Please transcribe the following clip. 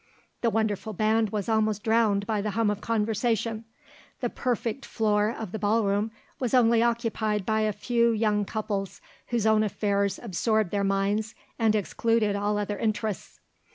The wonderful band was almost drowned by the hum of conversation; the perfect floor of the ball room was only occupied by a few young couples whose own affairs absorbed their minds and excluded all other interests.